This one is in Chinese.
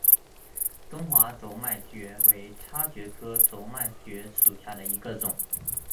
中华轴脉蕨为叉蕨科轴脉蕨属下的一个种。